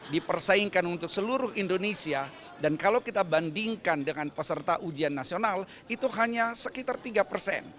dipersaingkan untuk seluruh indonesia dan kalau kita bandingkan dengan peserta ujian nasional itu hanya sekitar tiga persen